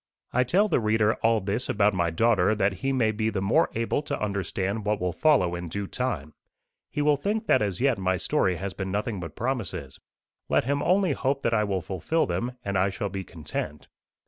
I tell the reader all this about my daughter that he may be the more able to understand what will follow in due time. He will think that as yet my story has been nothing but promises. Let him only hope that I will fulfil them, and I shall be content.